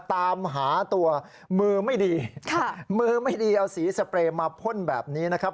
ตามหาตัวมือไม่ดีมือไม่ดีเอาสีสเปรย์มาพ่นแบบนี้นะครับ